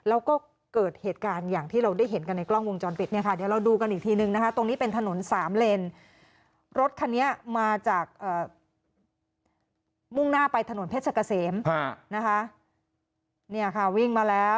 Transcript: มุ่งหน้าไปถนนเพชรเกษมวิ่งมาแล้ว